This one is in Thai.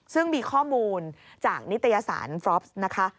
ซึ่งมีข้อมูลจากนิตยสารฟรอฟนะคะ